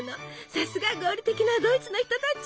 さすが合理的なドイツの人たち！